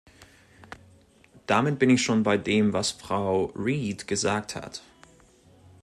Damit bin ich schon bei dem, was Frau Read gesagt hat.